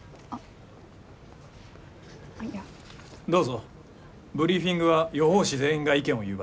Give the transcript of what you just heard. ブリーフィングは予報士全員が意見を言う場です。